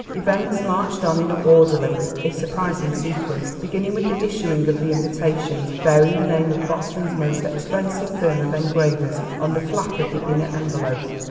Events marched on in orderly, if surprising sequence, beginning with the issuing of the invitations bearing the name of Boston's most expensive firm of engravers on the flap of the inner envelope.